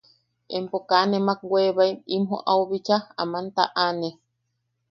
¿Empo kaa nemak weebae in joʼau bicha aman taʼane?